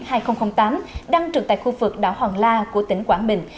tàu cảnh sát biển hai nghìn tám đang trực tại khu vực đảo hoàng la của tỉnh quảng bình